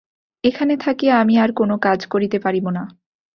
এখানে থাকিয়া আমি আর কোনো কাজ করিতে পারিব না।